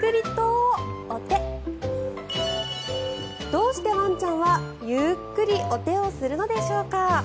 どうしてワンちゃんはゆっくりお手をするのでしょうか。